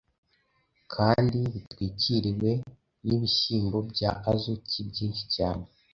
kandi bitwikiriwe nibihyimbo bya azuki byinhi cyne